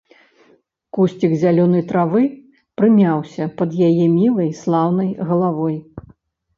Кусцік зялёнай травы прымяўся пад яе мілай, слаўнай галавой.